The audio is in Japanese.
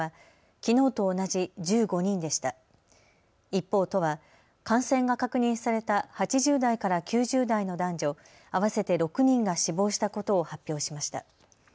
一方、都は感染が確認された８０代から９０代の男女合わせて６人が死亡したことを発表しました。